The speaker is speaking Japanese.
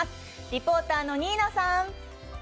リポーターのニーナさん。